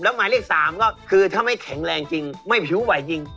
แล้วก็หลายเลข๓คือถ้าไม่แข็งแรงจึงไม่ผิวไหว่จริง